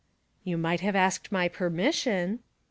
'You might have asked my permission.'